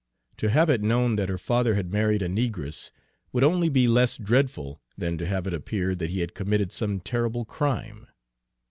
To have it known that her father had married a negress would only be less dreadful than to have it appear that he had committed some terrible crime.